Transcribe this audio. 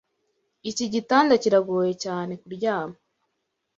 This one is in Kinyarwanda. Iki gitanda kiragoye cyane kuryama.